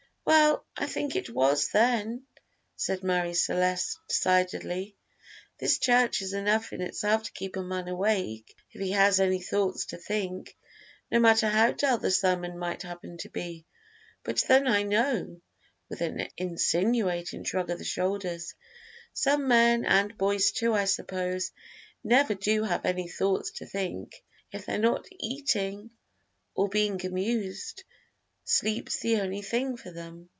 "Well, I think it was, then," said Marie Celeste decidedly. "This church is enough in itself to keep a man awake if he has any thoughts to think, no matter how dull the sermon might happen to be; but then I know" with an insinuating shrug of the shoulders "some men, and boys too I suppose, never do have any thoughts to think. If they're not eating or being amused, sleep's the only thing for them."